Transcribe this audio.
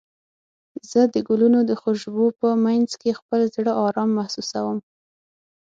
زه د ګلونو د خوشبو په مینځ کې خپل زړه ارام محسوسوم.